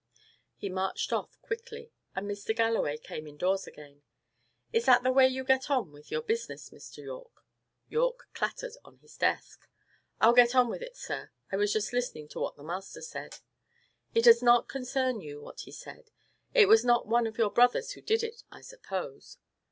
He marched off quickly, and Mr. Galloway came indoors again. "Is that the way you get on with your business, Mr. Yorke?" Yorke clattered to his desk. "I'll get on with it, sir. I was listening to what the master said." "It does not concern you, what he said. It was not one of your brothers who did it, I suppose?"